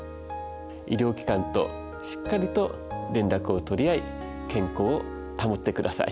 医療機関としっかりと連絡を取り合い健康を保ってください。